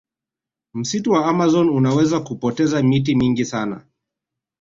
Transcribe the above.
msitu wa amazon unaweza kupoteza miti mingi sana